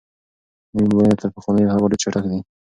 نوي موبایلونه تر پخوانیو هغو ډېر چټک دي.